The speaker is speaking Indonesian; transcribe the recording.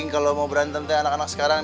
kalau mau berantem kayak anak anak sekarang